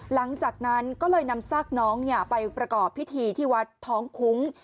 หลังจากนั้นก็เลยนำซากน้องไปประกอบพิธีที่วัดท้องคุ้ง